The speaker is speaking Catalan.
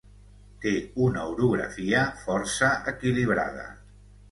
té una orografia força equilibrada